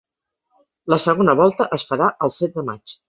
La segona volta es farà el set de maig.